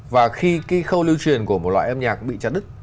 và khi cái khâu lưu truyền của một loại âm nhạc bị chặt đứt